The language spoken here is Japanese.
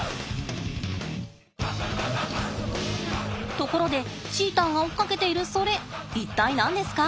ところでチーターが追っかけているそれ一体何ですか？